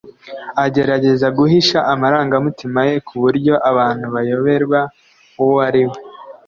agerageza guhisha amarangamutima ye ku buryo abantu bayoberwa uwo ari we